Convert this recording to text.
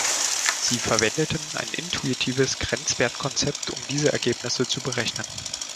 Sie verwendeten ein intuitives Grenzwertkonzept, um diese Ergebnisse zu berechnen.